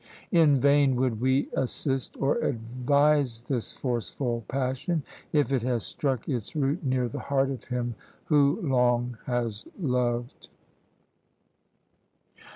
In vain would we assist or advise this forceful passion, if it has struck its root near the heart of him who long has loved."